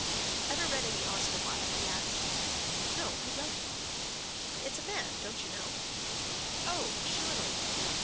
"Ever read any Oscar Wilde?" he asked. "No. Who wrote it?" "It's a man—don't you know?" "Oh, surely."